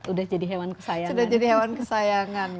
sudah jadi hewan kesayangan